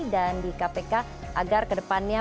dan di kpk agar ke depannya